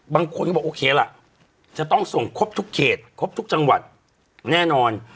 บางคนก็บอกโอเคล่ะจะต้องส่งครบทุกเขตครบทุกจังหวัดแน่นอน